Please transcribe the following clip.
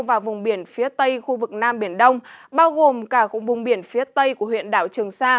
và vùng biển phía tây khu vực nam biển đông bao gồm cả vùng biển phía tây của huyện đảo trường sa